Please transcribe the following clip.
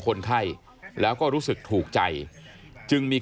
ร้องร้องร้องร้อง